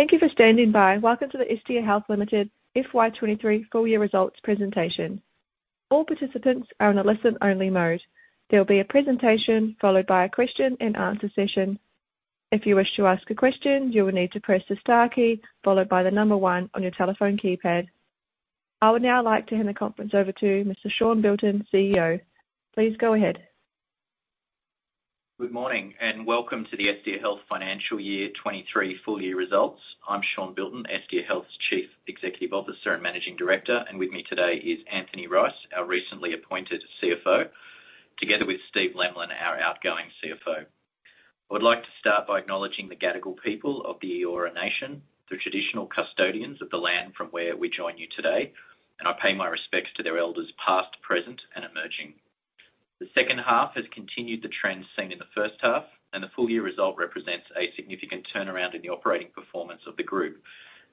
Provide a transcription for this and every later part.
Thank you for standing by. Welcome to the Estia Health Limited FY 2023 full year results presentation. All participants are on a listen-only mode. There will be a presentation followed by a question and answer session. If you wish to ask a question, you will need to press the star key followed by the number one on your telephone keypad. I would now like to hand the conference over to Mr. Sean Bilton, CEO. Please go ahead. Welcome to the Estia Health FY 2023 full year results. I'm Sean Bilton, Estia Health's Chief Executive Officer and Managing Director, and with me today is Anthony Rice, our recently appointed CFO, together with Steve Lemlin, our outgoing CFO. I would like to start by acknowledging the Gadigal people of the Eora nation, the traditional custodians of the land from where we join you today, and I pay my respects to their elders, past, present, and emerging. The second half has continued the trend seen in the first half, and the full year result represents a significant turnaround in the operating performance of the group.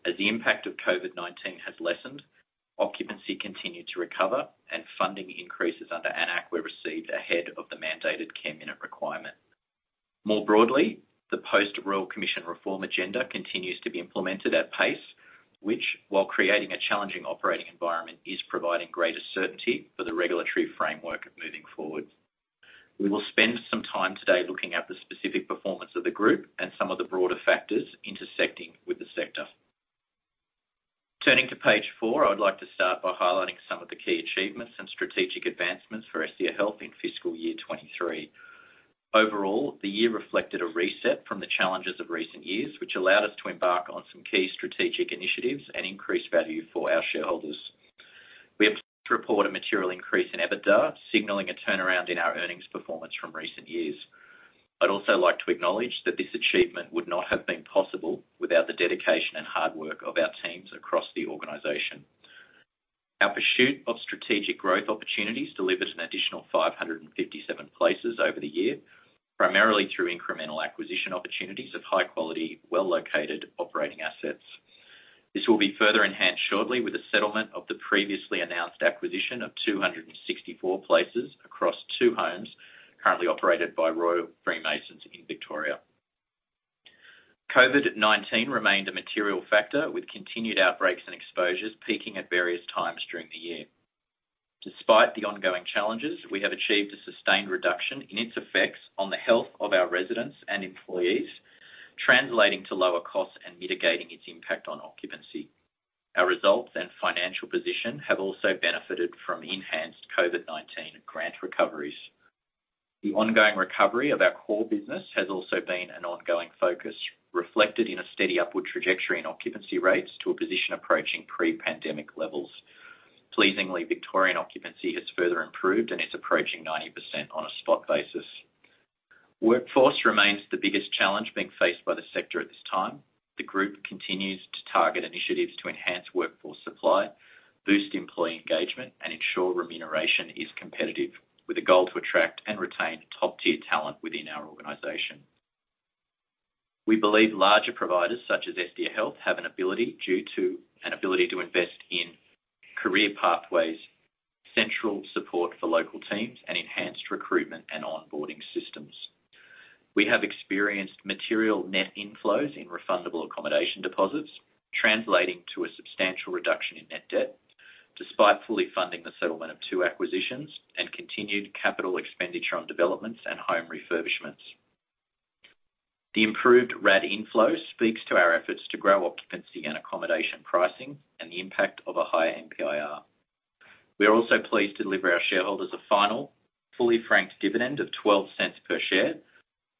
As the impact of COVID-19 has lessened, occupancy continued to recover and funding increases under AN-ACC were received ahead of the mandated care minute requirement. More broadly, the post-Royal Commission reform agenda continues to be implemented at pace, which, while creating a challenging operating environment, is providing greater certainty for the regulatory framework moving forward. We will spend some time today looking at the specific performance of the group and some of the broader factors intersecting with the sector. Turning to page four, I would like to start by highlighting some of the key achievements and strategic advancements for Estia Health in fiscal year 2023. Overall, the year reflected a reset from the challenges of recent years, which allowed us to embark on some key strategic initiatives and increase value for our shareholders. We are pleased to report a material increase in EBITDA, signaling a turnaround in our earnings performance from recent years. I'd also like to acknowledge that this achievement would not have been possible without the dedication and hard work of our teams across the organization. Our pursuit of strategic growth opportunities delivered an additional 557 places over the year, primarily through incremental acquisition opportunities of high quality, well-located operating assets. This will be further enhanced shortly with the settlement of the previously announced acquisition of 264 places across two homes currently operated by Royal Freemasons in Victoria. COVID-19 remained a material factor, with continued outbreaks and exposures peaking at various times during the year. Despite the ongoing challenges, we have achieved a sustained reduction in its effects on the health of our residents and employees, translating to lower costs and mitigating its impact on occupancy. Our results and financial position have also benefited from enhanced COVID-19 grant recoveries. The ongoing recovery of our core business has also been an ongoing focus, reflected in a steady upward trajectory in occupancy rates to a position approaching pre-pandemic levels. Pleasingly, Victorian occupancy has further improved and is approaching 90% on a spot basis. Workforce remains the biggest challenge being faced by the sector at this time. The group continues to target initiatives to enhance workforce supply, boost employee engagement, and ensure remuneration is competitive, with a goal to attract and retain top-tier talent within our organization. We believe larger providers such as Estia Health, have an ability to invest in career pathways, central support for local teams, and enhanced recruitment and onboarding systems. We have experienced material net inflows in refundable accommodation deposits, translating to a substantial reduction in net debt, despite fully funding the settlement of two acquisitions and continued capital expenditure on developments and home refurbishments. The improved RAD inflow speaks to our efforts to grow occupancy and accommodation pricing and the impact of a higher MPIR. We are also pleased to deliver our shareholders a final, fully franked dividend of 0.12 per share,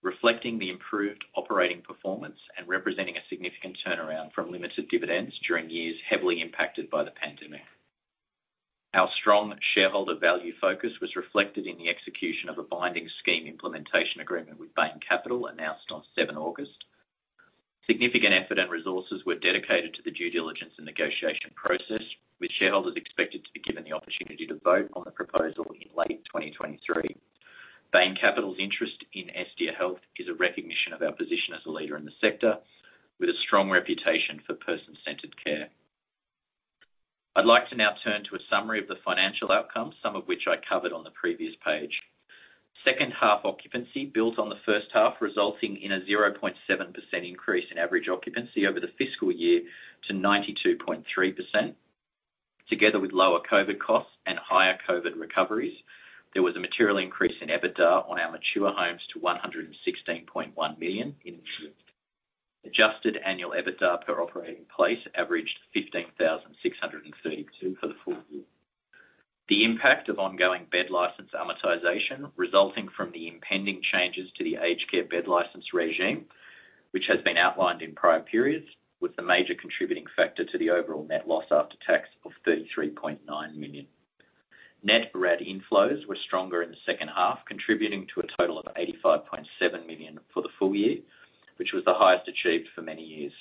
reflecting the improved operating performance and representing a significant turnaround from limited dividends during years heavily impacted by the pandemic. Our strong shareholder value focus was reflected in the execution of a binding Scheme Implementation Agreement with Bain Capital, announced on seventh August. Significant effort and resources were dedicated to the due diligence and negotiation process, with shareholders expected to be given the opportunity to vote on the proposal in late 2023. Bain Capital's interest in Estia Health is a recognition of our position as a leader in the sector with a strong reputation for person-centered care. I'd like to now turn to a summary of the financial outcomes, some of which I covered on the previous page. Second half occupancy builds on the first half, resulting in a 0.7% increase in average occupancy over the fiscal year to 92.3%. Together with lower COVID costs and higher COVID recoveries, there was a material increase in EBITDA on our mature homes to 116.1 million in... adjusted annual EBITDA per operating place averaged 15,632 for the full year. The impact of ongoing bed license amortization, resulting from the impending changes to the aged care bed license regime, which has been outlined in prior periods, was the major contributing factor to the overall net loss after tax of 33.9 million. Net RAD inflows were stronger in the second half, contributing to a total of 85.7 million for the full year, which was the highest achieved for many years.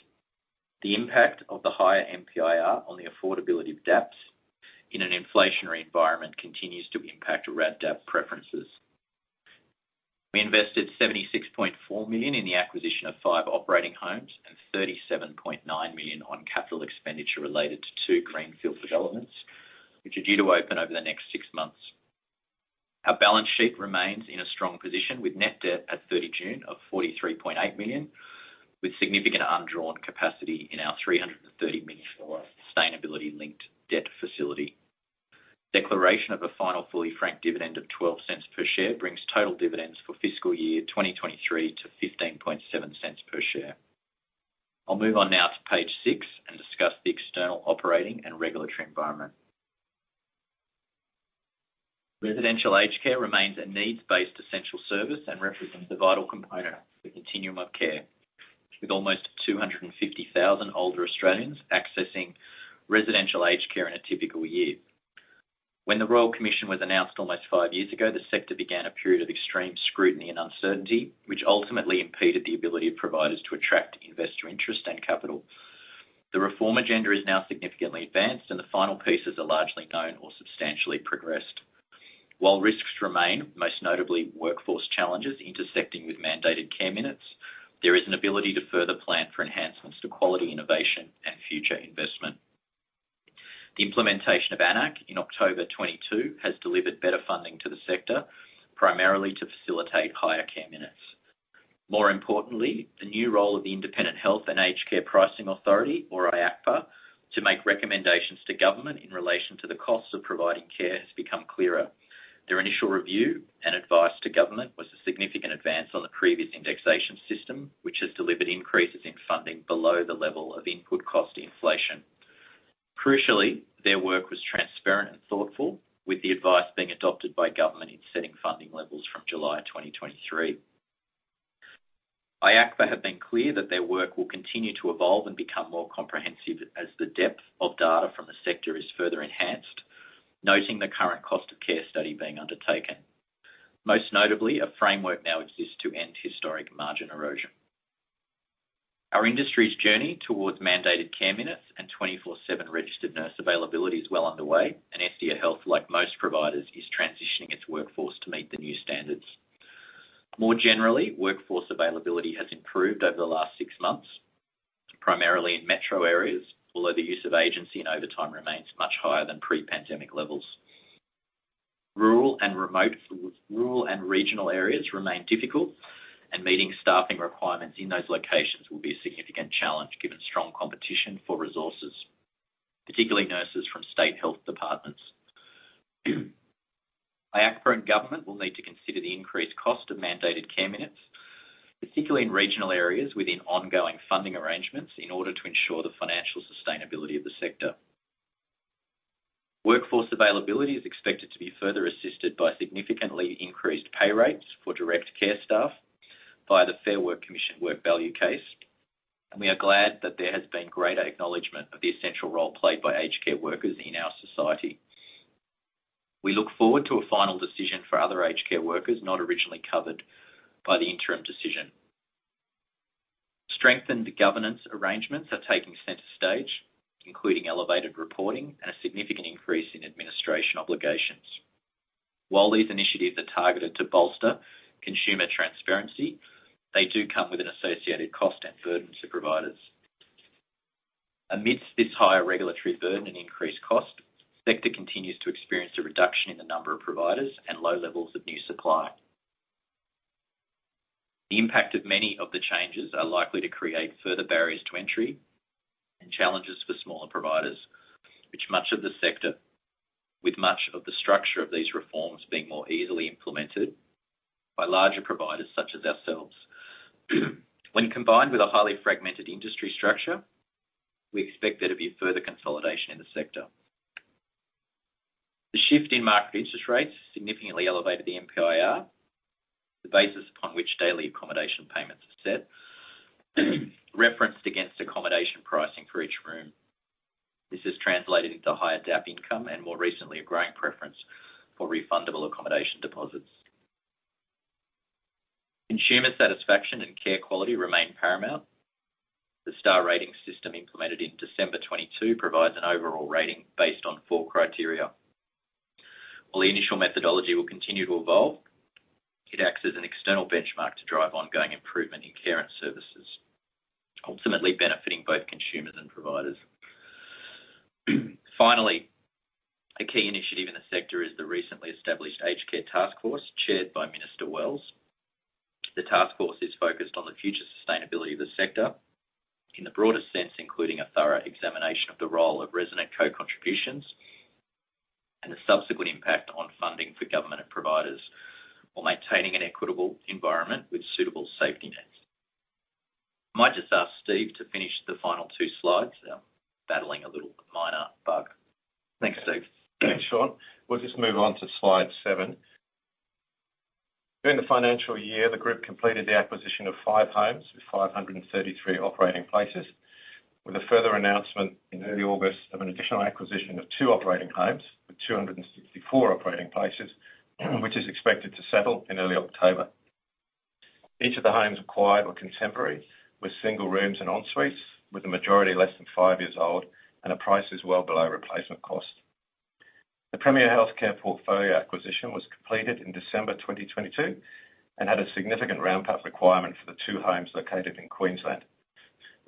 The impact of the higher MPIR on the affordability of debt in an inflationary environment continues to impact RAD debt preferences. We invested 76.4 million in the acquisition of five operating homes and 37.9 million on capital expenditure related to two greenfield developments, which are due to open over the next six months.... Our balance sheet remains in a strong position, with net debt at 30 June of 43.8 million, with significant undrawn capacity in our 330 million sustainability-linked debt facility. Declaration of a final fully franked dividend of 0.12 per share brings total dividends for fiscal year 2023 to 0.157 per share. I'll move on now to page six and discuss the external operating and regulatory environment. Residential aged care remains a needs-based essential service and represents a vital component of the continuum of care, with almost 250,000 older Australians accessing residential aged care in a typical year. When the Royal Commission was announced almost five years ago, the sector began a period of extreme scrutiny and uncertainty, which ultimately impeded the ability of providers to attract investor interest and capital. The reform agenda is now significantly advanced, the final pieces are largely known or substantially progressed. While risks remain, most notably workforce challenges intersecting with mandated care minutes, there is an ability to further plan for enhancements to quality, innovation, and future investment. The implementation of AN-ACC in October 2022 has delivered better funding to the sector, primarily to facilitate higher care minutes. More importantly, the new role of the Independent Health and Aged Care Pricing Authority, or IHACPA, to make recommendations to government in relation to the costs of providing care, has become clearer. Their initial review and advice to government was a significant advance on the previous indexation system, which has delivered increases in funding below the level of input cost inflation. Crucially, their work was transparent and thoughtful, with the advice being adopted by government in setting funding levels from July 2023. IHACPA have been clear that their work will continue to evolve and become more comprehensive as the depth of data from the sector is further enhanced, noting the current cost of care study being undertaken. Most notably, a framework now exists to end historic margin erosion. Our industry's journey towards mandated care minutes and 24/7 registered nurse availability is well underway, and Estia Health, like most providers, is transitioning its workforce to meet the new standards. More generally, workforce availability has improved over the last six months, primarily in metro areas, although the use of agency and overtime remains much higher than pre-pandemic levels. Rural and regional areas remain difficult, and meeting staffing requirements in those locations will be a significant challenge, given strong competition for resources, particularly nurses from state health departments. IHACPA and government will need to consider the increased cost of mandated care minutes, particularly in regional areas, within ongoing funding arrangements, in order to ensure the financial sustainability of the sector. Workforce availability is expected to be further assisted by significantly increased pay rates for direct care staff by the Fair Work Commission Work Value Case, and we are glad that there has been greater acknowledgment of the essential role played by aged care workers in our society. We look forward to a final decision for other aged care workers not originally covered by the interim decision. Strengthened governance arrangements are taking center stage, including elevated reporting and a significant increase in administration obligations. While these initiatives are targeted to bolster consumer transparency, they do come with an associated cost and burden to providers. Amidst this higher regulatory burden and increased cost, the sector continues to experience a reduction in the number of providers and low levels of new supply. The impact of many of the changes are likely to create further barriers to entry and challenges for smaller providers, which much of the sector, with much of the structure of these reforms being more easily implemented by larger providers such as ourselves. When combined with a highly fragmented industry structure, we expect there to be further consolidation in the sector. The shift in market interest rates significantly elevated the MPIR, the basis upon which daily accommodation payments are set, referenced against accommodation pricing for each room. This has translated into higher DAP income and, more recently, a growing preference for refundable accommodation deposits. Consumer satisfaction and care quality remain paramount. The Star Rating system, implemented in December 2022, provides an overall rating based on four criteria. While the initial methodology will continue to evolve, it acts as an external benchmark to drive ongoing improvement in care and services, ultimately benefiting both consumers and providers. Finally, a key initiative in the sector is the recently established Aged Care Taskforce, chaired by Anika Wells. The task force is focused on the future sustainability of the sector in the broadest sense, including a thorough examination of the role of resident co-contributions and the subsequent impact on funding for government and providers, while maintaining an equitable environment with suitable safety nets. I might just ask Steve to finish the final two slides. I'm battling a little minor bug. Thanks, Steve. Thanks, Sean. We'll just move on to slide seven. During the financial year, the group completed the acquisition of five homes with 533 operating places, with a further announcement in early August of an additional acquisition of two operating homes, with 264 operating places, which is expected to settle in early October. Each of the homes acquired were contemporary, with single rooms and en-suites, with the majority less than five years old and at prices well below replacement cost. The Premier Health Care portfolio acquisition was completed in December 2022 and had a significant ramp-up requirement for the two homes located in Queensland.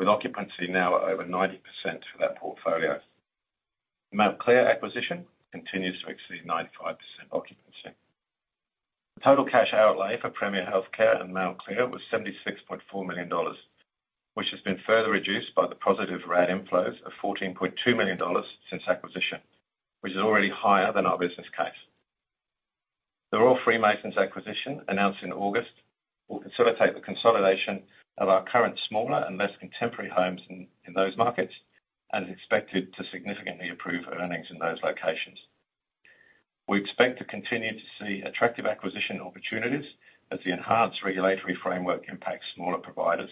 Occupancy now at over 90% for that portfolio. Mount Clear acquisition continues to exceed 95% occupancy. The total cash outlay for Premier Healthcare and Mount Clear was 76.4 million dollars, which has been further reduced by the positive RAD inflows of 14.2 million dollars since acquisition, which is already higher than our business case. The Royal Freemasons acquisition, announced in August, will facilitate the consolidation of our current smaller and less contemporary homes in those markets, and is expected to significantly improve earnings in those locations. We expect to continue to see attractive acquisition opportunities as the enhanced regulatory framework impacts smaller providers.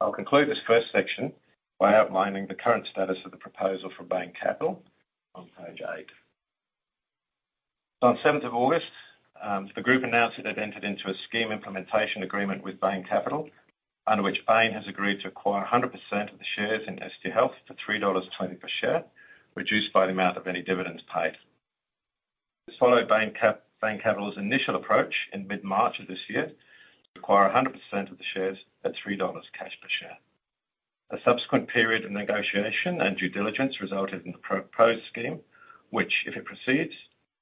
I'll conclude this first section by outlining the current status of the proposal from Bain Capital on page 8. On 7th of August, the group announced it had entered into a Scheme Implementation Agreement with Bain Capital, under which Bain has agreed to acquire 100% of the shares in Estia Health for 3.20 dollars per share, reduced by the amount of any dividends paid. This followed Bain Capital's initial approach in mid-March of this year, to acquire 100% of the shares at 3 dollars cash per share. A subsequent period of negotiation and due diligence resulted in the proposed scheme, which, if it proceeds,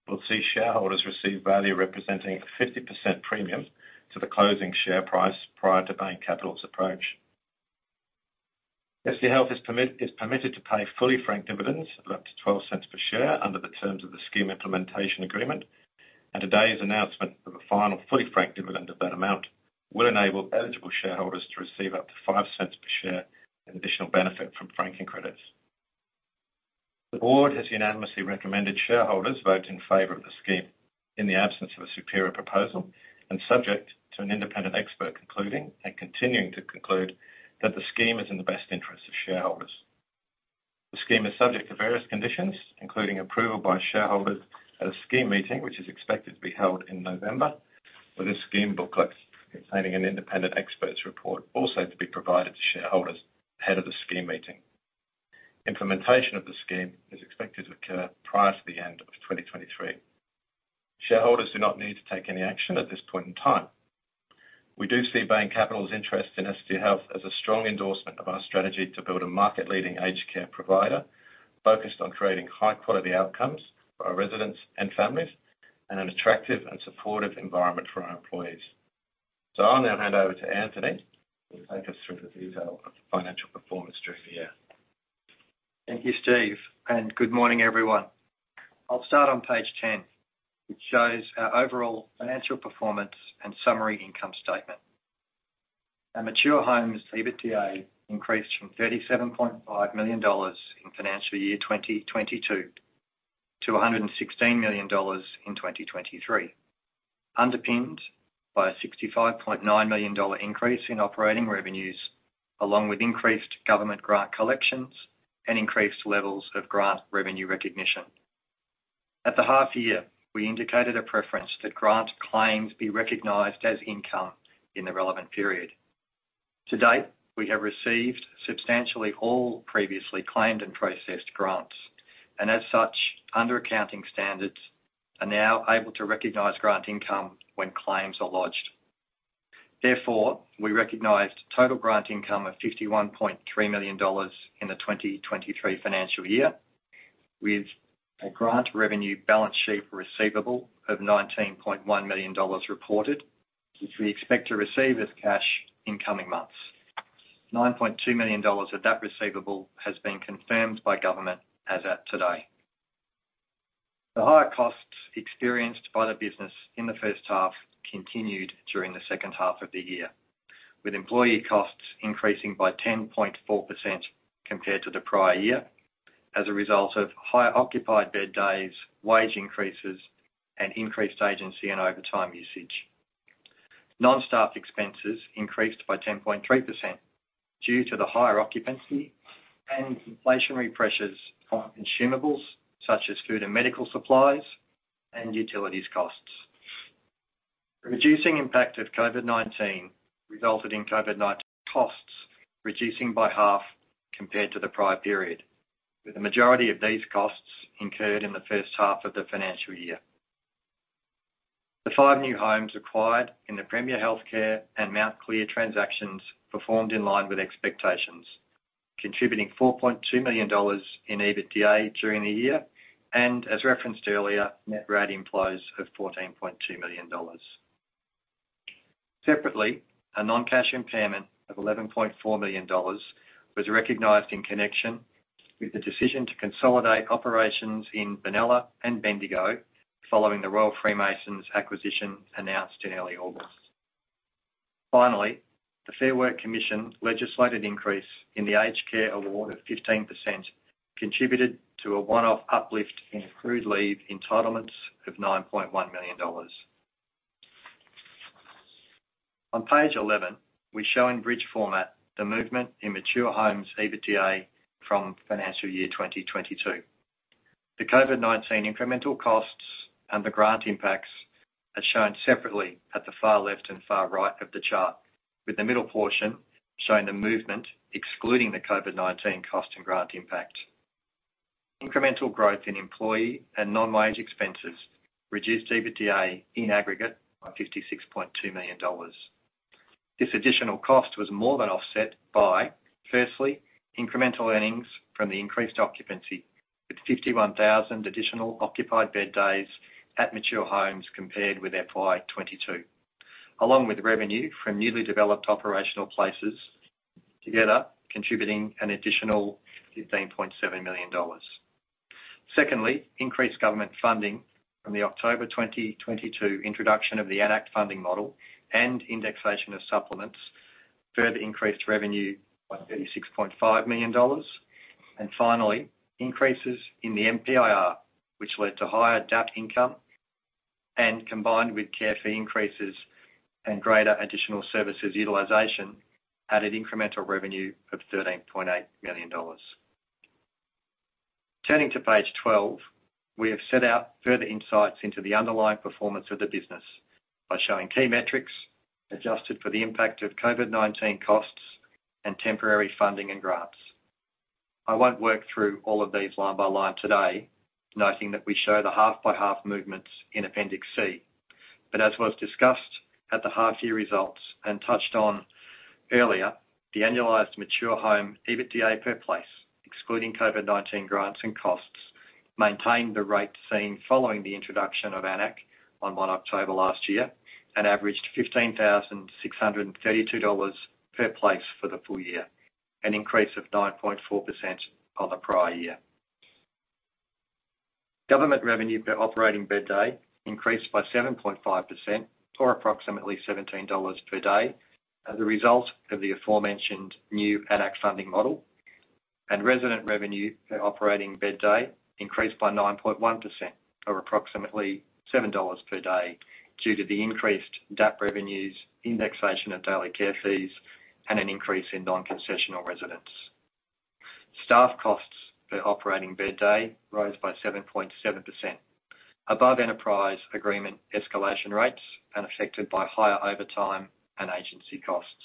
will see shareholders receive value representing a 50% premium to the closing share price prior to Bain Capital's approach. Estia Health is permitted to pay fully franked dividends of up to 0.12 per share under the terms of the Scheme Implementation Agreement. Today's announcement of a final fully franked dividend of that amount, will enable eligible shareholders to receive up to 0.05 per share in additional benefit from franking credits. The board has unanimously recommended shareholders vote in favor of the scheme in the absence of a superior proposal, and subject to an independent expert concluding and continuing to conclude that the scheme is in the best interest of shareholders. The scheme is subject to various conditions, including approval by shareholders at a scheme meeting, which is expected to be held in November, with a scheme booklet containing an independent expert's report, also to be provided to shareholders ahead of the scheme meeting. Implementation of the scheme is expected to occur prior to the end of 2023. Shareholders do not need to take any action at this point in time. We do see Bain Capital's interest in Estia Health as a strong endorsement of our strategy to build a market-leading aged care provider, focused on creating high-quality outcomes for our residents and families, and an attractive and supportive environment for our employees. I'll now hand over to Anthony, who'll take us through the detail of the financial performance during the year. Thank you, Steve, and good morning, everyone. I'll start on page 10, which shows our overall financial performance and summary income statement. Our Mature Homes EBITDA increased from 37.5 million dollars in financial year 2022 to 116 million dollars in 2023, underpinned by an 65.9 million dollar increase in operating revenues, along with increased government grant collections and increased levels of grant revenue recognition. At the half year, we indicated a preference that grant claims be recognized as income in the relevant period. To date, we have received substantially all previously claimed and processed grants, and as such, under accounting standards, are now able to recognize grant income when claims are lodged. Therefore, we recognized total grant income of 51.3 million dollars in the 2023 financial year, with a grant revenue balance sheet receivable of 19.1 million dollars reported, which we expect to receive as cash in coming months. 9.2 million dollars of that receivable has been confirmed by government as at today. The higher costs experienced by the business in the first half continued during the second half of the year, with employee costs increasing by 10.4% compared to the prior year, as a result of higher occupied bed days, wage increases, and increased agency and overtime usage. Non-staff expenses increased by 10.3% due to the higher occupancy and inflationary pressures on consumables, such as food and medical supplies, and utilities costs. Reducing impact of COVID-19 resulted in COVID-19 costs reducing by half compared to the prior period, with the majority of these costs incurred in the first half of the financial year. The five new homes acquired in the Premier Healthcare and Mount Clear transactions performed in line with expectations, contributing 4.2 million dollars in EBITDA during the year, and as referenced earlier, net RAD inflows of 14.2 million dollars. Separately, a non-cash impairment of 11.4 million dollars was recognized in connection with the decision to consolidate operations in Benalla and Bendigo, following the Royal Freemasons acquisition announced in early August. Finally, the Fair Work Commission legislated increase in the Aged Care Award of 15%, contributed to a one-off uplift in accrued leave entitlements of 9.1 million dollars. On page 11, we show in bridge format the movement in Mature Homes EBITDA from FY 2022. The COVID-19 incremental costs and the grant impacts are shown separately at the far left and far right of the chart, with the middle portion showing the movement, excluding the COVID-19 cost and grant impact. Incremental growth in employee and non-wage expenses reduced EBITDA in aggregate by $56.2 million. This additional cost was more than offset by, firstly, incremental earnings from the increased occupancy, with 51,000 additional occupied bed days at mature homes compared with FY 2022, along with revenue from newly developed operational places, together contributing an additional $15.7 million. Secondly, increased government funding from the October 2022 introduction of the AN-ACC funding model and indexation of supplements, further increased revenue by $36.5 million. Finally, increases in the MPIR, which led to higher DAP income and combined with care fee increases and greater additional services utilization, added incremental revenue of 13.8 million dollars. Turning to page 12, we have set out further insights into the underlying performance of the business by showing key metrics adjusted for the impact of COVID-19 costs and temporary funding and grants. I won't work through all of these line by line today, noting that we show the half by half movements in Appendix C. As was discussed at the half-year results and touched on earlier, the annualized Mature Homes EBITDA per place, excluding COVID-19 grants and costs, maintained the rate seen following the introduction of AN-ACC on October 1 last year, and averaged 15,632 dollars per place for the full year, an increase of 9.4% on the prior year. Government revenue per operating bed day increased by 7.5% or approximately 17 dollars per day, as a result of the aforementioned new AN-ACC funding model, and resident revenue per operating bed day increased by 9.1%, or approximately 7 dollars per day, due to the increased DAP income, indexation of daily care fees, and an increase in non-concessional residents. Staff costs per operating bed day rose by 7.7%, above Enterprise Agreement escalation rates and affected by higher overtime and agency costs.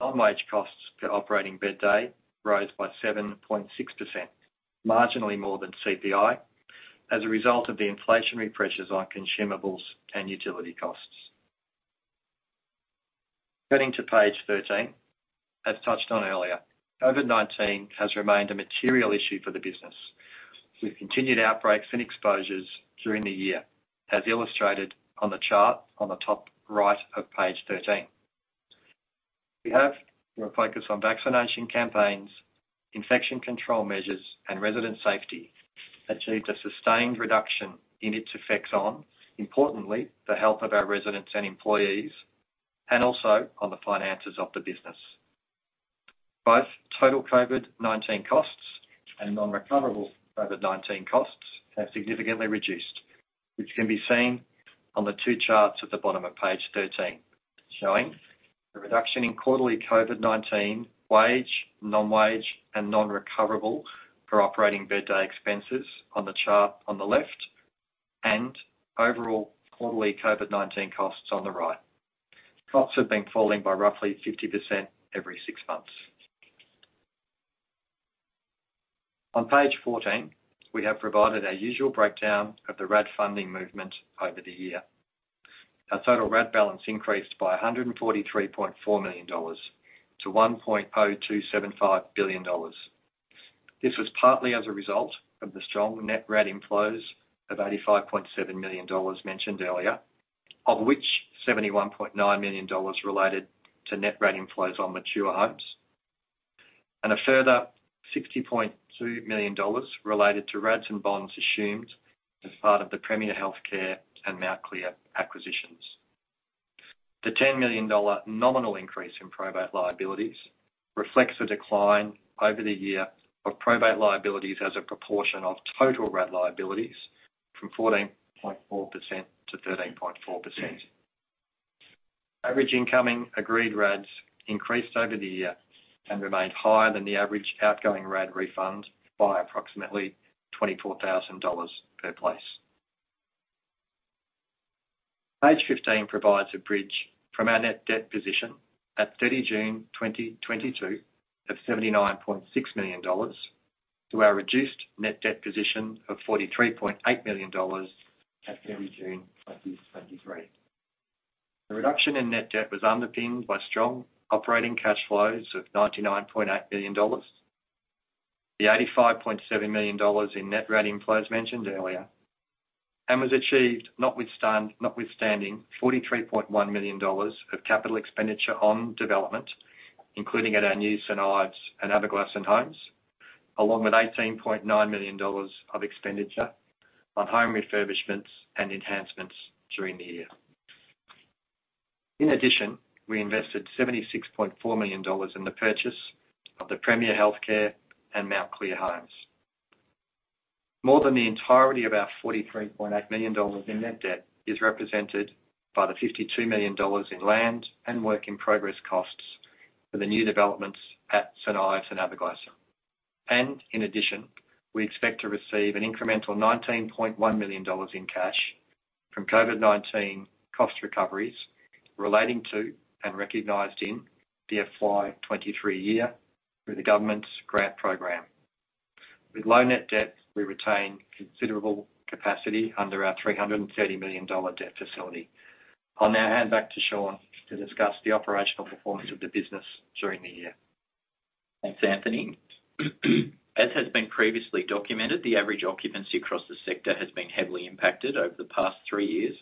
Non-wage costs per operating bed day rose by 7.6%, marginally more than CPI, as a result of the inflationary pressures on consumables and utility costs. Turning to page 13. As touched on earlier, COVID-19 has remained a material issue for the business, with continued outbreaks and exposures during the year, as illustrated on the chart on the top right of page 13. We have, with a focus on vaccination campaigns, infection control measures, and resident safety, achieved a sustained reduction in its effects on, importantly, the health of our residents and employees, and also on the finances of the business. Both total COVID-19 costs and non-recoverable COVID-19 costs have significantly reduced, which can be seen on the two charts at the bottom of page 13, showing the reduction in quarterly COVID-19 wage, non-wage, and non-recoverable per operating bed day expenses on the chart on the left, and overall quarterly COVID-19 costs on the right. Costs have been falling by roughly 50% every six months. On page 14, we have provided our usual breakdown of the RAD funding movement over the year. Our total RAD balance increased by 143.4 million dollars to 1.0275 billion dollars. This was partly as a result of the strong net RAD inflows of 85.7 million dollars mentioned earlier, of which 71.9 million dollars related to net RAD inflows on mature homes, and a further 60.2 million dollars related to RADs and bonds assumed as part of the Premier Health Care and Mount Clear acquisitions. The 10 million dollar nominal increase in probate liabilities reflects a decline over the year of probate liabilities as a proportion of total RAD liabilities from 14.4% to 13.4%. Average incoming agreed RADs increased over the year and remained higher than the average outgoing RAD refund by approximately 24,000 dollars per place. Page 15 provides a bridge from our net debt position at 30 June 2022, of 79.6 million dollars, to our reduced net debt position of 43.8 million dollars at 30 June 2023. The reduction in net debt was underpinned by strong operating cash flows of 99.8 million dollars. The 85.7 million dollars in net RAD inflows mentioned earlier, and was achieved, notwithstanding 43.1 million dollars of capital expenditure on development, including at our new St Ives and Aberglasslyn homes, along with 18.9 million dollars of expenditure on home refurbishments and enhancements during the year. In addition, we invested 76.4 million dollars in the purchase of the Premier Healthcare and Mount Clear homes. More than the entirety of our 43.8 million dollars in net debt is represented by the 52 million dollars in land and work-in-progress costs for the new developments at St Ives and Aberglasslyn. In addition, we expect to receive an incremental 19.1 million dollars in cash.... from COVID-19 cost recoveries relating to and recognized in the FY 2023 year through the government's grant program. With low net debt, we retain considerable capacity under our 330 million dollar debt facility. I'll now hand back to Sean to discuss the operational performance of the business during the year. Thanks, Anthony. As has been previously documented, the average occupancy across the sector has been heavily impacted over the past three years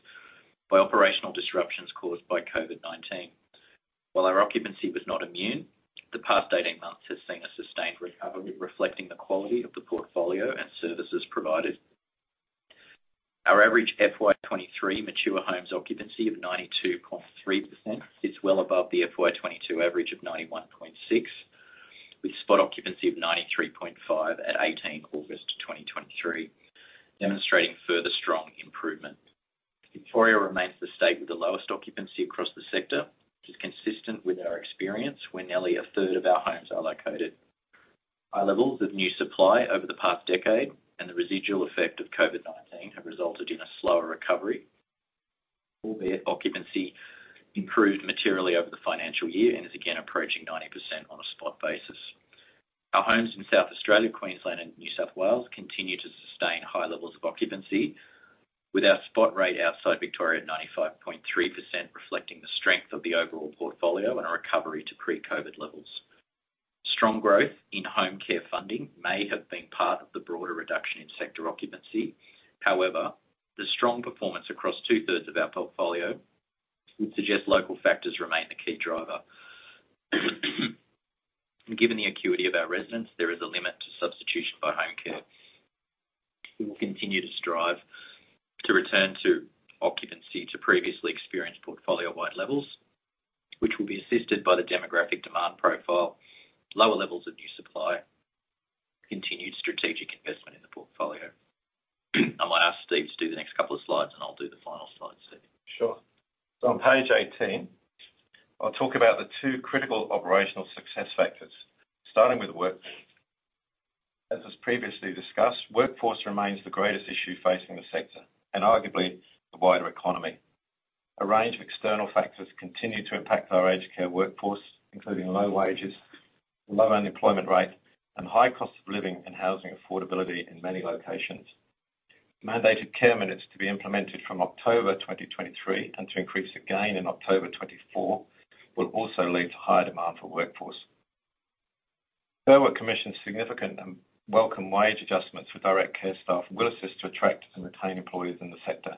by operational disruptions caused by COVID-19. While our occupancy was not immune, the past 18 months has seen a sustained recovery, reflecting the quality of the portfolio and services provided. Our average FY 2023 Mature Homes occupancy of 92.3% is well above the FY 2022 average of 91.6%, with spot occupancy of 93.5% at August 18, 2023, demonstrating further strong improvement. Victoria remains the state with the lowest occupancy across the sector, which is consistent with our experience, where nearly a third of our homes are located. High levels of new supply over the past decade and the residual effect of COVID-19 have resulted in a slower recovery, albeit occupancy improved materially over the financial year and is again approaching 90% on a spot basis. Our homes in South Australia, Queensland, and New South Wales continue to sustain high levels of occupancy, with our spot rate outside Victoria at 95.3%, reflecting the strength of the overall portfolio and a recovery to pre-COVID levels. Strong growth in home care funding may have been part of the broader reduction in sector occupancy. However, the strong performance across two-thirds of our portfolio would suggest local factors remain the key driver. Given the acuity of our residents, there is a limit to substitution by home care. We will continue to strive to return to occupancy to previously experienced portfolio-wide levels, which will be assisted by the demographic demand profile, lower levels of new supply, continued strategic investment in the portfolio. I'm going to ask Steve to do the next couple of slides, and I'll do the final slide, Steve. Sure. On page 18, I'll talk about the two critical operational success factors, starting with workforce. As was previously discussed, workforce remains the greatest issue facing the sector and arguably the wider economy. A range of external factors continue to impact our aged care workforce, including low wages, low unemployment rate, and high cost of living and housing affordability in many locations. Mandated care minutes to be implemented from October 2023 and to increase again in October 2024, will also lead to higher demand for workforce. Fair Work Commission, significant and welcome wage adjustments for direct care staff will assist to attract and retain employees in the sector,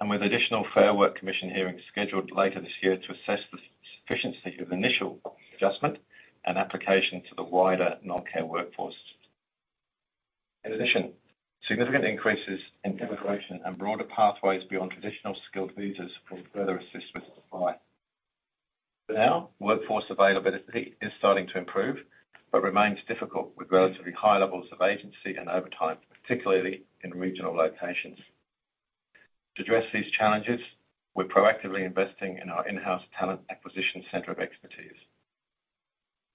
and with additional Fair Work Commission hearings scheduled later this year to assess the sufficiency of initial adjustment and application to the wider non-care workforce. In addition, significant increases in immigration and broader pathways beyond traditional skilled visas will further assist with supply. For now, workforce availability is starting to improve, but remains difficult, with relatively high levels of agency and overtime, particularly in regional locations. To address these challenges, we're proactively investing in our in-house talent acquisition center of expertise.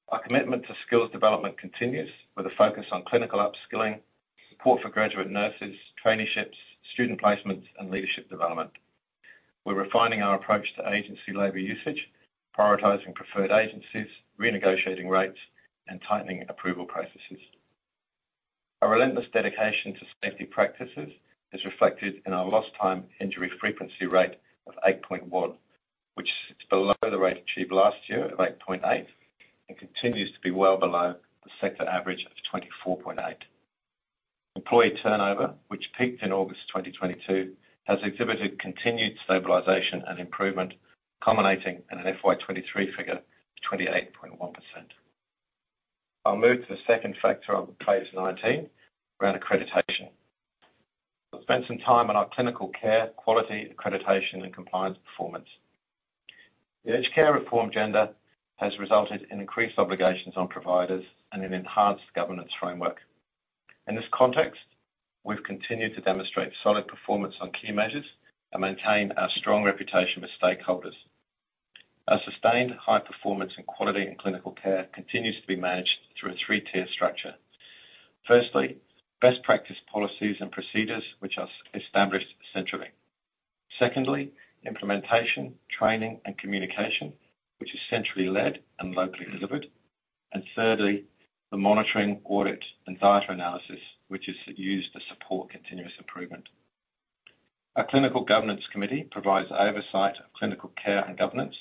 Our commitment to skills development continues, with a focus on clinical upskilling, support for graduate nurses, traineeships, student placements, and leadership development. We're refining our approach to agency labor usage, prioritizing preferred agencies, renegotiating rates, and tightening approval processes. Our relentless dedication to safety practices is reflected in our Lost Time Injury Frequency Rate of 8.1, which is below the rate achieved last year of 8.8, and continues to be well below the sector average of 24.8. Employee turnover, which peaked in August 2022, has exhibited continued stabilization and improvement, culminating in an FY 2023 figure of 28.1%. I'll move to the second factor on page 19 around accreditation. We'll spend some time on our clinical care, quality, accreditation, and compliance performance. The aged care reform agenda has resulted in increased obligations on providers and an enhanced governance framework. In this context, we've continued to demonstrate solid performance on key measures and maintain our strong reputation with stakeholders. Our sustained high performance in quality and clinical care continues to be managed through a three-tier structure. Firstly, best practice policies and procedures, which are established centrally. Secondly, implementation, training, and communication, which is centrally led and locally delivered. Thirdly, the monitoring, audit, and data analysis, which is used to support continuous improvement. Our Clinical Governance Committee provides oversight of clinical care and governance,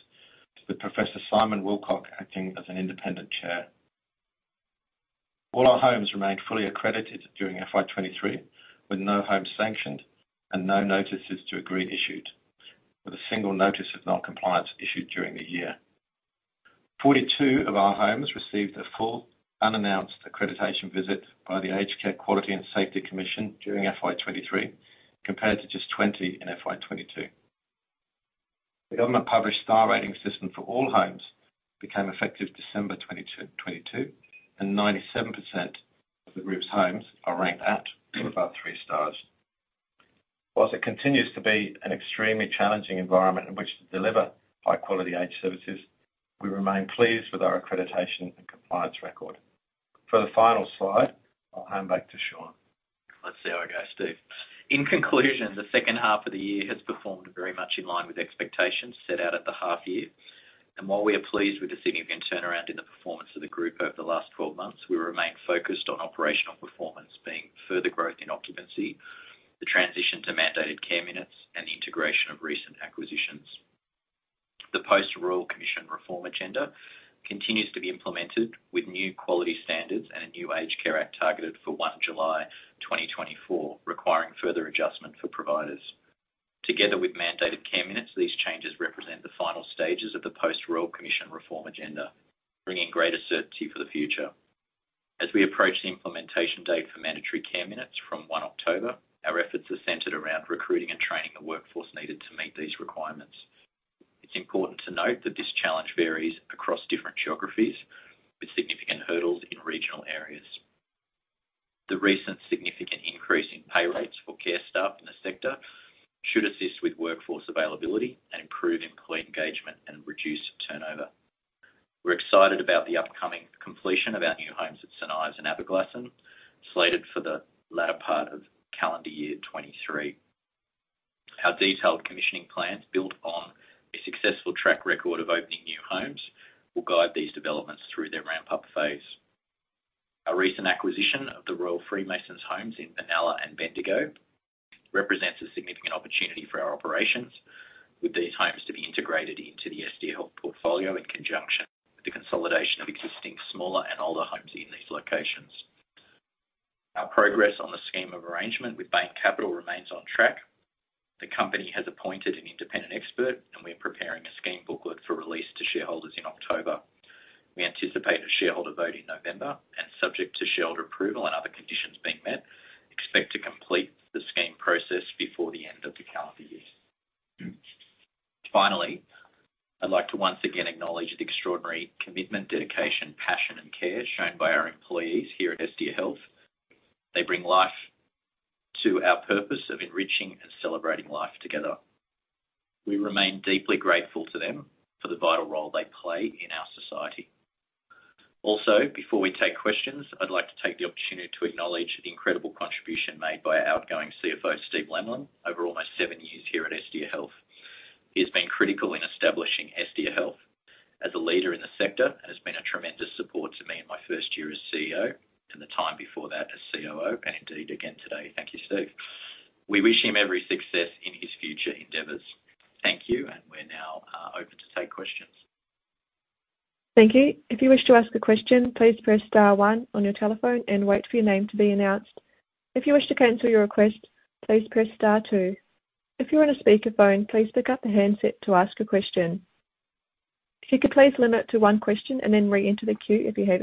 with Professor Simon Willcock acting as an independent chair. All our homes remained fully accredited during FY 2023, with no homes sanctioned and no notices to agree issued, with a single notice of non-compliance issued during the year. 42 of our homes received a full, unannounced accreditation visit by the Aged Care Quality and Safety Commission during FY 2023, compared to just 20 in FY 2022. The government published Star Rating system for all homes became effective December 2022, and 97% of the group's homes are ranked at or above 3 stars. Whilst it continues to be an extremely challenging environment in which to deliver high-quality aged services, we remain pleased with our accreditation and compliance record. For the final slide, I'll hand back to Sean. Let's see how I go, Steve. In conclusion, the second half of the year has performed very much in line with expectations set out at the half year. While we are pleased with the significant turnaround in the performance of the group over the last 12 months, we remain focused on operational performance being further growth in occupancy, the transition to mandated care minutes, and the integration of recent acquisitions. The post-Royal Commission reform agenda continues to be implemented, with new quality standards and a new Aged Care Act targeted for July 1, 2024, requiring further adjustment for providers. Together with mandated care minutes, these changes represent the final stages of the post-Royal Commission reform agenda, bringing greater certainty for the future. As we approach the implementation date for mandated care minutes from 1 October, our efforts are centered around recruiting and training the workforce needed to meet these requirements. It's important to note that this challenge varies across different geographies, with significant hurdles in regional areas. The recent significant increase in pay rates for care staff in the sector should assist with workforce availability and improve employee engagement and reduce turnover. We're excited about the upcoming completion of our new homes at St Ives and Aberglasslyn, slated for the latter part of calendar year 2023. Our detailed commissioning plans, built on a successful track record of opening new homes, will guide these developments through their ramp-up phase. Our recent acquisition of the Royal Freemasons homes in Benalla and Bendigo represents a significant opportunity for our operations, with these homes to be integrated into the Estia Health portfolio in conjunction with the consolidation of existing smaller and older homes in these locations. Our progress on the scheme of arrangement with Bain Capital remains on track. The company has appointed an independent expert, and we are preparing a scheme booklet for release to shareholders in October. We anticipate a shareholder vote in November, and subject to shareholder approval and other conditions being met, expect to complete the scheme process before the end of the calendar year. Finally, I'd like to once again acknowledge the extraordinary commitment, dedication, passion, and care shown by our employees here at Estia Health. They bring life to our purpose of enriching and celebrating life together. We remain deeply grateful to them for the vital role they play in our society. Before we take questions, I'd like to take the opportunity to acknowledge the incredible contribution made by our outgoing CFO, Steve Lemlin, over almost seven years here at Estia Health. He has been critical in establishing Estia Health as a leader in the sector, and has been a tremendous support to me in my first year as CEO and the time before that as COO, and indeed, again today. Thank you, Steve. We wish him every success in his future endeavors. Thank you. We're now open to take questions. Thank you. If you wish to ask a question, please press star one on your telephone and wait for your name to be announced. If you wish to cancel your request, please press star two. If you're on a speakerphone, please pick up the handset to ask a question. If you could please limit to one question and then reenter the queue if you have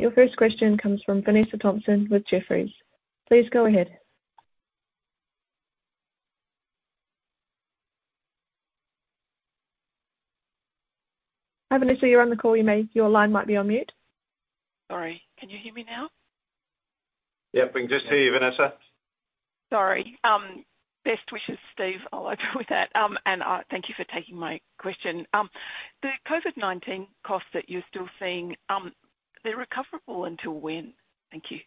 any further questions. Your first question comes from Vanessa Thomson with Jefferies. Please go ahead. Hi, Vanessa, you're on the call. Your line might be on mute. Sorry. Can you hear me now? Yep, we can just hear you, Vanessa. Sorry. Best wishes, Steve. I'll open with that. Thank you for taking my question. The COVID-19 costs that you're still seeing, they're recoverable until when? Thank you.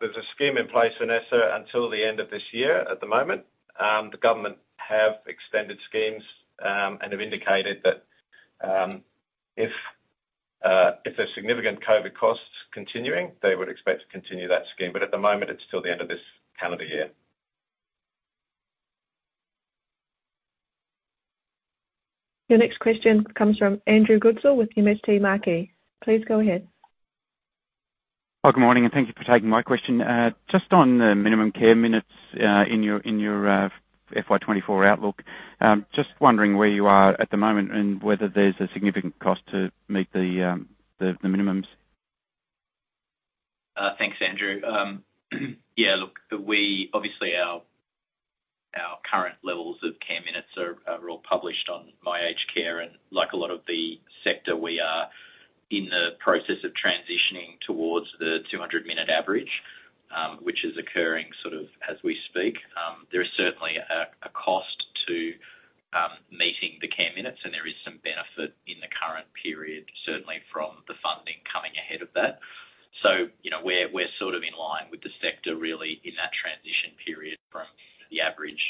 There's a scheme in place, Vanessa, until the end of this year at the moment. The government have extended schemes and have indicated that if there's significant COVID costs continuing, they would expect to continue that scheme. At the moment, it's till the end of this calendar year. Your next question comes from Andrew Goodsall with MST Marquee. Please go ahead. Oh, good morning, and thank you for taking my question. Just on the mandated care minutes, in your, in your, FY 2024 outlook, just wondering where you are at the moment and whether there's a significant cost to meet the, the, the minimums? Thanks, Andrew. Yeah, look, we obviously, our, our current levels of care minutes are, are all published on My Aged Care, and like a lot of the sector, we are in the process of transitioning towards the 200-minute average, which is occurring sort of as we speak. There is certainly a, a cost to meeting the care minutes, and there is some benefit in the current period, certainly from the funding coming ahead of that. You know, we're, we're sort of in line with the sector, really, in that transition period from the average,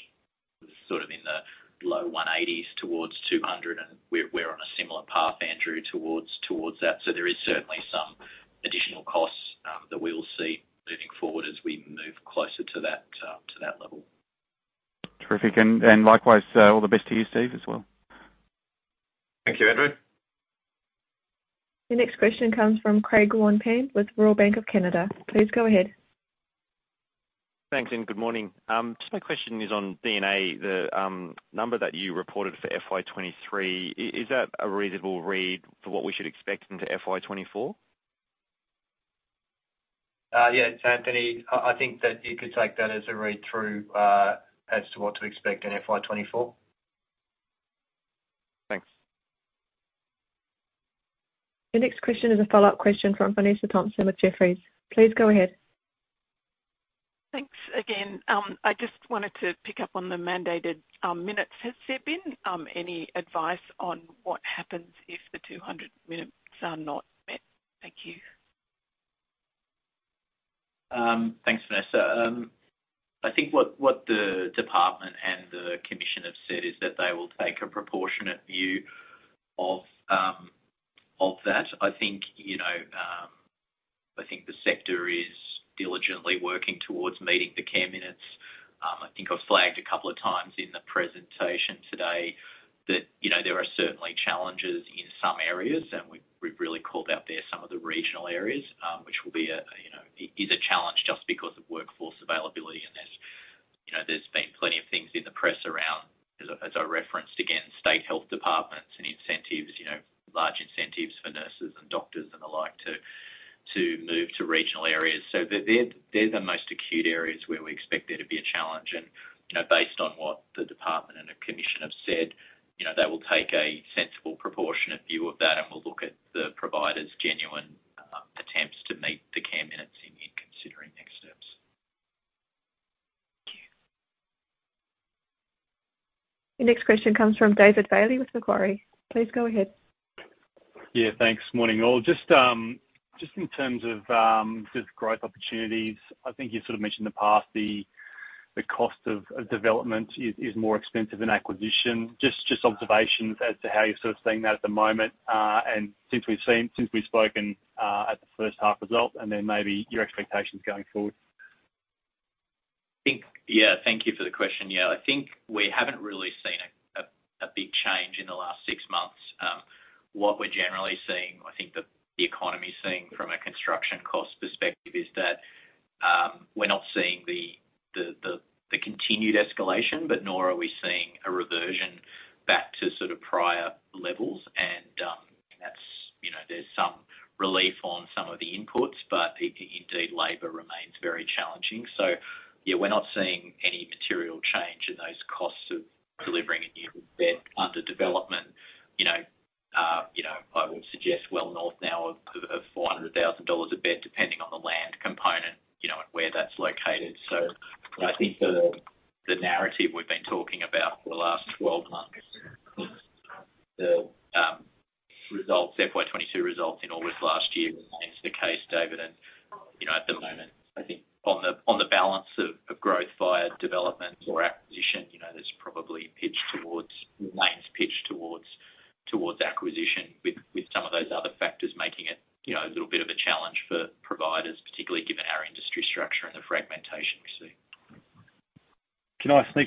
sort of in the low 180s towards 200, and we're, we're on a similar path, Andrew, towards, towards that. There is certainly some additional costs that we will see moving forward as we move closer to that, to that level. Terrific. And likewise, all the best to you, Steve, as well. Thank you, Andrew. Your next question comes from Craig Wong-Pan with Royal Bank of Canada. Please go ahead. Thanks. Good morning. My question is on D&A, the number that you reported for FY 2023, is that a reasonable read for what we should expect into FY24? Yeah, Anthony, I, I think that you could take that as a read-through, as to what to expect in FY24. Thanks. The next question is a follow-up question from Vanessa Thomson with Jefferies. Please go ahead. Thanks again. I just wanted to pick up on the mandated care minutes. Has there been any advice on what happens if the 200 minutes are not met? Thank you. Thanks, Vanessa. I think what, what the department and the commission have said is that they will take a proportionate view of that. I think, you know, I think the sector is diligently working towards meeting the care minutes. I think I've flagged a couple of times in the presentation today that, you know, there are certainly challenges in some areas, and we've, we've really called out there some of the regional areas, which will be a, you know, is a challenge just because of workforce availability. There's, you know, there's been plenty of things in the press around, as I, as I referenced again, state health departments and incentives, you know, large incentives for nurses and doctors and the like, to, to move to regional areas. They're, they're the most acute areas where we expect there to be a challenge. You know, based on what the department and the commission have said, you know, they will take a sensible, proportionate view of that and will look at the provider's genuine attempts to meet the care minutes in considering next steps. Thank you. The next question comes from David Bailey with Macquarie. Please go ahead. Yeah, thanks. Morning, all. Just, just in terms of, just growth opportunities, I think you sort of mentioned in the past, the, the cost of, of development is, is more expensive than acquisition. Just, just observations as to how you're sort of seeing that at the moment, and since we've seen-- since we've spoken, at the first half results, and then maybe your expectations going forward. I think, yeah, thank you for the question. Yeah, I think we haven't really seen a big change in the last six months. What we're generally seeing, I think the economy is seeing from a construction cost perspective,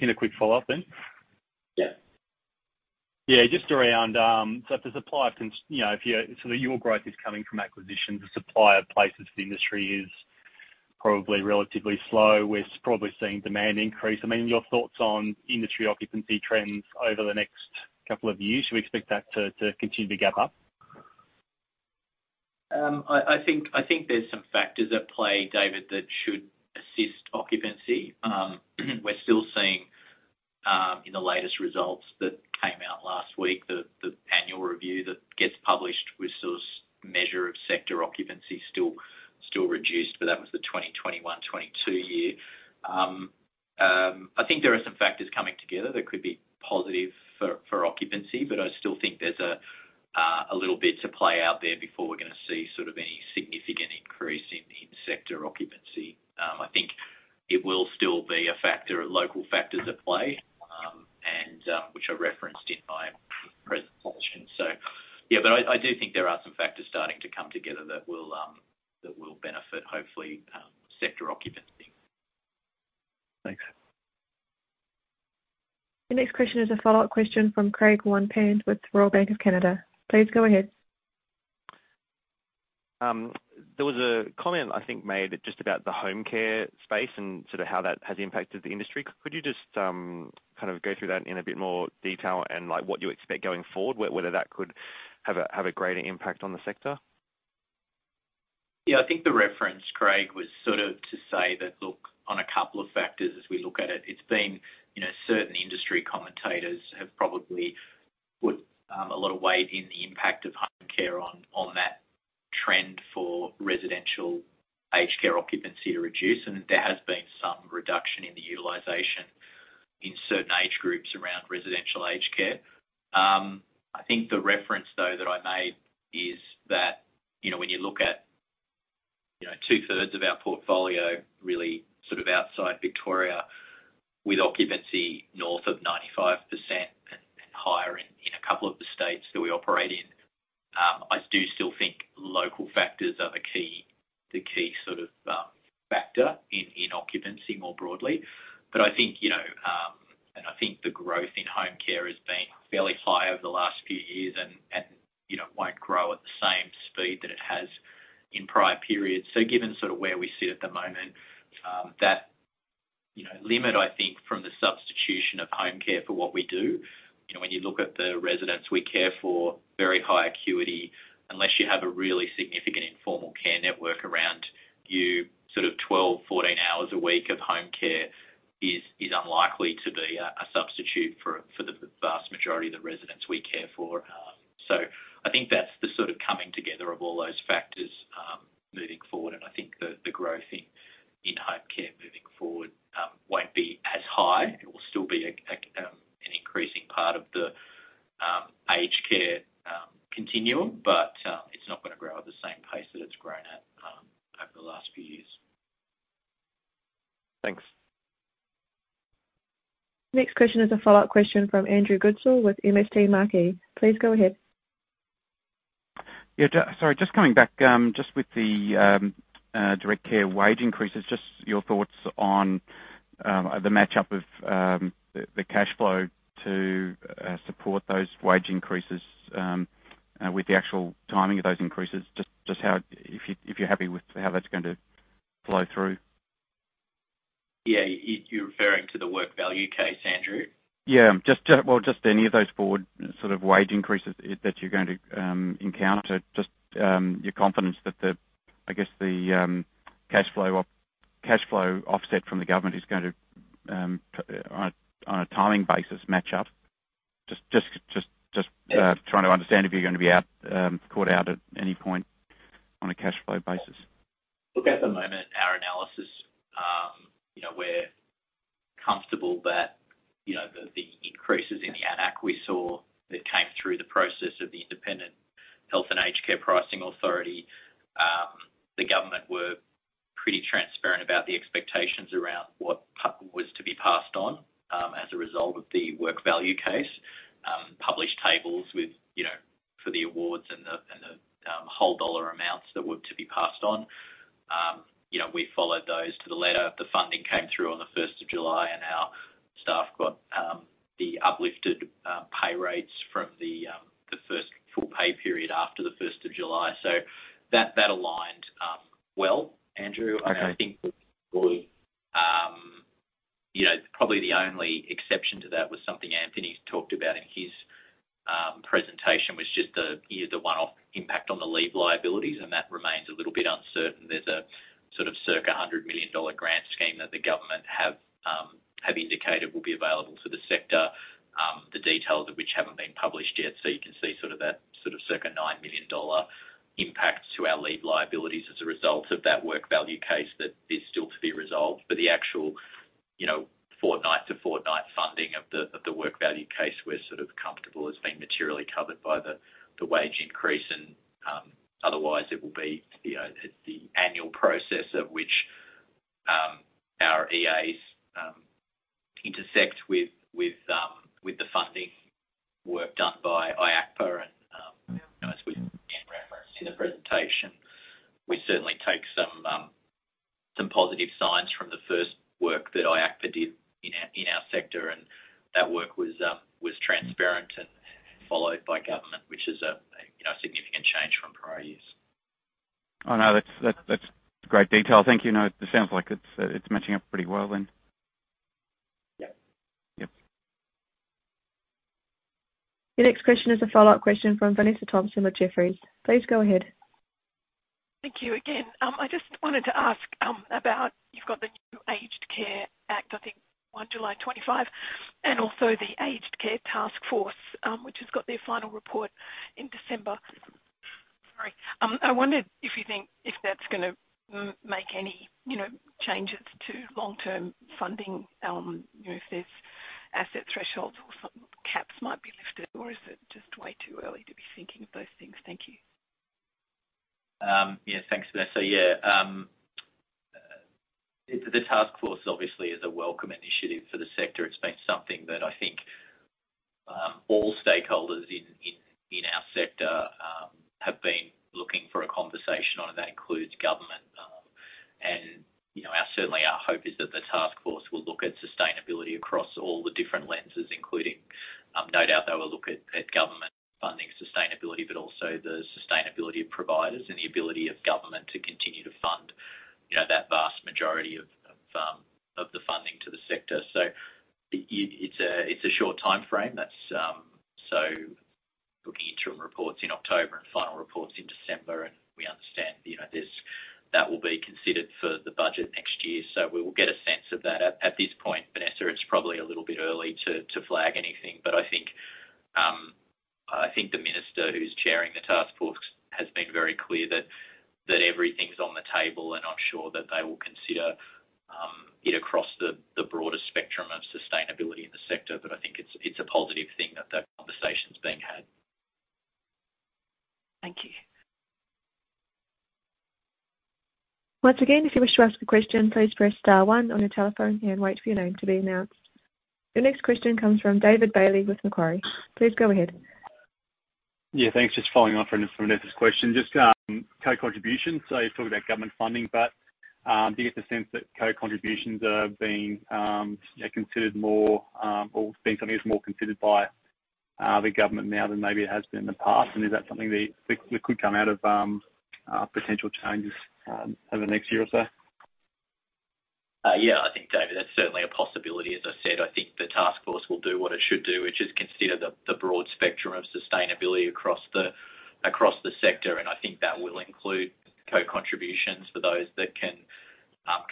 in a quick follow-up then? Yeah. Yeah, just around, so if the supply of, you know, so your growth is coming from acquisitions, the supply of places for the industry is probably relatively slow. We're probably seeing demand increase. I mean, your thoughts on industry occupancy trends over the next 2 years, should we expect that to continue to gap up? I think, I think there's some factors at play, David, that should assist occupancy. We're still seeing in the latest results that came out last week, the annual review that gets published, which sort of measure of sector occupancy still, still reduced, that was the 2021-2022 year. I think there are some factors coming together that could be positive for, for occupancy, I still think there's a little bit to play out there before we're going to see sort of any significant increase in sector occupancy. I think it will still be a factor of local factors at play, which are referenced in my presentation. I, I do think there are some factors starting to come together that will that will benefit, hopefully, sector occupancy. Thanks. The next question is a follow-up question from Craig Wong-Pan with Royal Bank of Canada. Please go ahead. There was a comment, I think, made just about the home care space and sort of how that has impacted the industry. Could you just kind of go through that in a bit more detail and, like, what you expect going forward, whether that could have a greater impact on the sector? Yeah, I think the reference, Craig, was sort of to say that look on a couple of factors as we look at it, it's been, you know, certain industry commentators have probably put a lot of weight in the impact of home care on, on that trend for residential aged care occupancy to reduce. There has been some reduction in the utilization in certain age groups around residential aged care. I think the reference, though, that I made is that, you know, when you look at, you know, two-thirds of our portfolio really sort of outside Victoria, with occupancy north of 95% and, and higher in, in a couple of the states that we operate in, I do still think local factors are the key, the key sort of factor in, in occupancy more broadly. I think, you know, and I think the growth in home care has been fairly high over the last few years and, and, you know, won't grow at the same speed that it has in prior periods. Given sort of where we sit at the moment, that, you know, limit, I think, from the substitution of home care for what we do, you know, when you look at the residents we care for, very high acuity, unless you have a really significant informal care network around you, sort of 12, 14 hours a week of home care is, is unlikely to be a, a substitute for, for the vast majority of the residents we care for. I think all those factors, moving forward, and I think the, the growth in, in home care moving forward, won't be as high. It will still be a, a, an increasing part of the aged care continuum, but it's not going to grow at the same pace that it's grown at over the last few years. Thanks. Next question is a follow-up question from Andrew Goodsall with MST Marquee. Please go ahead. Yeah, sorry, just coming back, just with the direct care wage increases, just your thoughts on the match-up of the, the cash flow to support those wage increases, with the actual timing of those increases, just, just how, if you, if you're happy with how that's going to flow through? Yeah. You, you're referring to the Work Value Case, Andrew? Yeah, just, well, just any of those forward sort of wage increases that you're going to encounter, just, your confidence that the, I guess the, cash flow, cash flow offset from the government is going to, on a, on a timing basis, match up? Just, just, just, just trying to understand if you're going to be out, caught out at any point on a cash flow basis? Look, at the moment, our EAs intersect with, with the funding work done by IHACPA. As we reference in the presentation, we certainly take some positive signs from the first work that IHACPA did in our sector. That work was transparent and followed by government, which is a, you know, significant change from prior years. Oh, no, that's, that's, that's great detail. Thank you. No, it sounds like it's, it's matching up pretty well then. Yep. Yep. Your next question is a follow-up question from Vanessa Thomson with Jefferies. Please go ahead. Thank you again. I just wanted to ask about you've got the new Aged Care Act, I think on July 25, and also the Aged Care Taskforce, which has got their final report in December. Sorry, I wondered if you think if that's gonna make any, you know, changes to long-term funding, you know, if there's asset thresholds or some caps might be lifted, or is it just way too early to be thinking of those things? Thank you. Yeah, thanks, Vanessa. Yeah, the Aged Care Taskforce obviously is a welcome initiative for the sector. It's been something that I think, all stakeholders in, in, in our sector, have been looking for a conversation on, and that includes Government. You know, certainly our hope is that the Aged Care Taskforce will look at sustainability across all the different lenses, including, no doubt, they will look at, at Government funding sustainability, but also the sustainability of providers and the ability of Government to continue to fund, you know, that vast majority of, of, of the funding to the sector. It, it's a, it's a short timeframe. That's looking at interim reports in October and final reports in December, we understand, you know, this, that will be considered for the Budget next year. We will get a sense of that. At, at this point, Vanessa, it's probably a little bit early to, to flag anything, but I think, I think the Minister who's chairing the Taskforce has been very clear that, that everything's on the table, and I'm sure that they will consider, it across the, the broader spectrum of sustainability in the sector. But I think it's, it's a positive thing that that conversation is being had. Thank you. Once again, if you wish to ask a question, please press star one on your telephone and wait for your name to be announced. The next question comes from David Bailey with Macquarie. Please go ahead. Yeah, thanks. Just following on from, from Vanessa's question, just co-contributions. You've talked about government funding, but do you get the sense that co-contributions are being, you know, considered more or being something is more considered by the government now than maybe it has been in the past? Is that something that, that could come out of potential changes over the next year or so? Yeah, I think, David, that's certainly a possibility. As I said, I think the Aged Care Taskforce will do what it should do, which is consider the, the broad spectrum of sustainability across the, across the sector, and I think that will include co-contributions for those that can,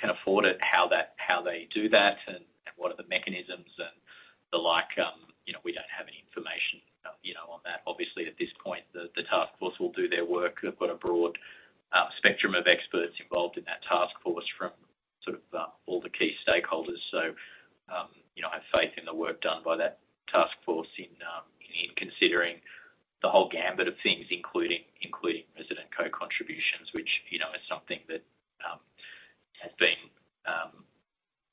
can afford it, how that, how they do that, and, and what are the mechanisms and the like. You know, we don't have any information, you know, on that. Obviously, at this point, the, the Aged Care Taskforce will do their work. They've got a broad spectrum of experts involved in that Aged Care Taskforce from sort of, all the key stakeholders. You know, I have faith in the work done by that task force in, in considering the whole gamut of things, including, including resident co-contributions, which, you know, is something that has been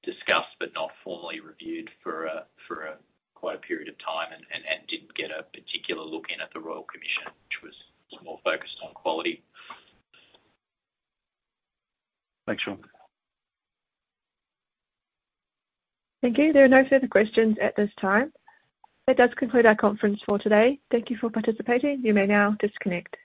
discussed but not formally reviewed for a quite a period of time and didn't get a particular look in at the Royal Commission, which was more focused on quality. Thanks, Sean. Thank you. There are no further questions at this time. That does conclude our conference for today. Thank you for participating. You may now disconnect.